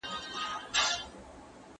زه اجازه لرم چي کتابونه وليکم